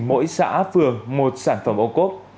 mỗi xã phường một sản phẩm ô cốt